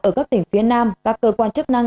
ở các tỉnh phía nam các cơ quan chức năng